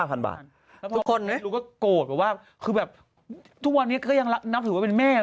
ของเอ็กซ์ลูกก็โกรธว่าทุกวันนี้ก็ยังนับถือเป็นแม่